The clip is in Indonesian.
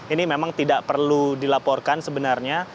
ini memang tidak perlu dilaporkan sebenarnya